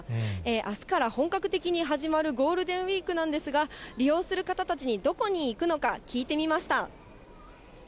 あすから本格的に始まるゴールデンウィークなんですが、利用する方たちにどこに行くのか聞いてみました。